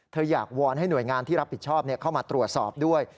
อยากวอนให้หน่วยงานที่รับผิดชอบเข้ามาตรวจสอบด้วย